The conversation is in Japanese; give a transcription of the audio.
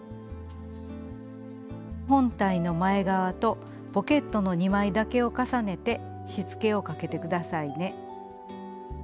本体の前側とポケットの２枚だけを重ねてしつけをかけて下さいね。